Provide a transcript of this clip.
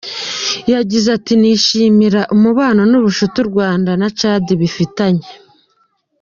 Yagize ati «“ Nishimira umubano n’ubushuti u Rwanda na Tchad bifitanye.